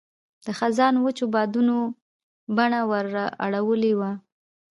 د خزان وچو بادونو بڼه ور اړولې وه.